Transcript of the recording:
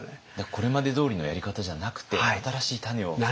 これまでどおりのやり方じゃなくて新しい種を。